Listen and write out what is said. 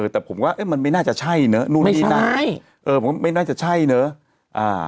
แต่ผมว่ามันไม่น่าจะใช่เนอะนู่นนี่นั่นไม่น่าจะใช่เนอะ